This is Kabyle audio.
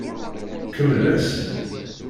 Kemmel-as.